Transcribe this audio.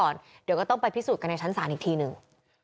ข้อกล่าวหาเอาไว้ก่อนเดี๋ยวก็ต้องไปพิสูจน์กันในชั้นสารอีกทีหนึ่ง